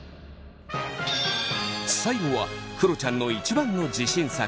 最後はくろちゃんの一番の自信作